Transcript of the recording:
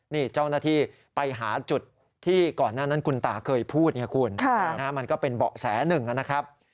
นี่เจ้าหน้าที่ไปหาจุดที่ก่อนหน้านั้นคุณตาเคยพูดไงคุณมันก็เป็นเบาะแสหนึ่งนะครับ